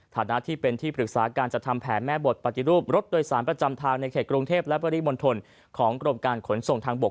ฐานะที่เป็นที่ปรึกษาการจัดทำแผนแม่บทปฏิรูปรถโดยสารประจำทางในเขตกรุงเทพและปริมณฑลของกรมการขนส่งทางบก